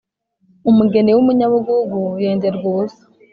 umugeni w'umunyabugugu yenderwa ubusa